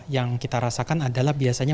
yang kita rasakan adalah biasanya